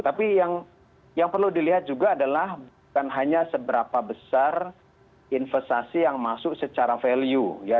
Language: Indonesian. tapi yang perlu dilihat juga adalah bukan hanya seberapa besar investasi yang masuk secara value ya